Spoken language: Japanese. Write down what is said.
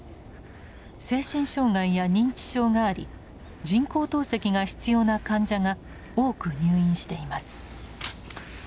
精神障害や認知症があり人工透析が必要な患者が多く入院しています。